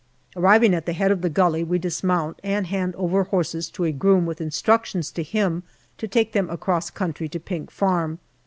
Arriving at the head of the gully, we dismount and hand over horses to a groom, with instructions to him to take them across country to Pink Farm.